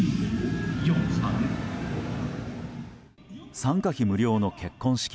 参加費無料の結婚式。